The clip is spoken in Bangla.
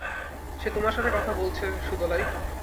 সে তোমার সাথে কথা বলছে, সুদলাই।